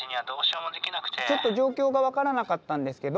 ちょっと状況が分からなかったんですけど。